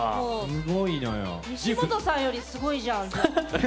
西本さんよりすごいじゃん。